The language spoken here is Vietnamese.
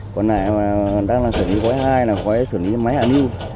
còn này đang là sửa ní quái hai là quái sửa ní máy hạ nưu